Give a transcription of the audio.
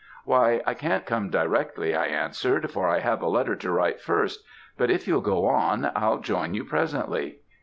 "'Why, I can't come directly,' I answered; 'for I have a letter to write first; but if you'll go on, I'll join you presently.'